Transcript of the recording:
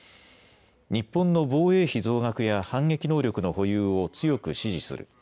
日本の防衛費増額や反撃能力の保有を強く支持する。